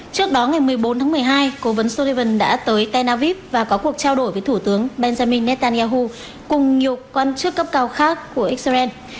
trước đó ngày một mươi bốn tháng một mươi hai cố vấn sullivan đã tới tel aviv và có cuộc trao đổi với thủ tướng benjamin netanyahu cùng nhiều quan chức cấp cao khác của israel